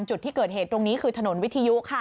จุดที่เกิดเหตุตรงนี้คือถนนวิทยุค่ะ